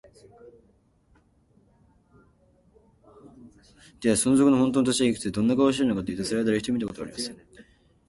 では、その賊のほんとうの年はいくつで、どんな顔をしているのかというと、それは、だれひとり見たことがありません。